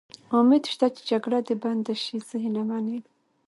امید شته چې جګړه دې بنده شي، زه هیله من یم.